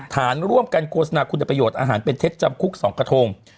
ฐานร่วมกันโฆษณาคุณประโยชน์อาหารเป็นเท็จจำคุก๒กระทง